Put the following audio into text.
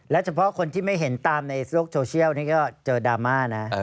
เฉพาะคนที่ไม่เห็นตามในโลกโซเชียลนี่ก็เจอดราม่านะ